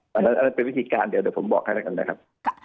ใช่ครับจะเป็นวิธีการเดี๋ยวขอบอกให้นะครับ